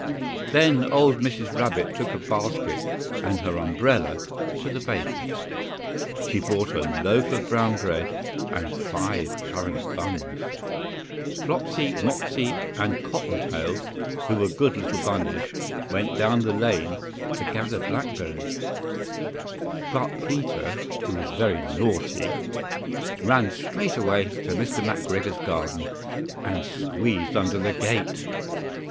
THEN old Mrs. Rabbit took a basket and her umbrella, to the baker's. She bought a loaf of brown bread and five currant buns. FLOPSY, Mopsy, and Cottontail, who were good little bunnies, went down the lane to gather blackberries; BUT Peter, who was very naughty, ran straight away to Mr. McGregor's garden and squeezed under the gate!